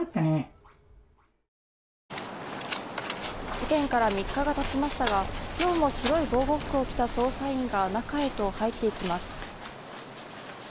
事件から３日が経ちましたが今日も白い防護服を着た捜査員が中へと入っていきます。